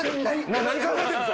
何考えてんねん！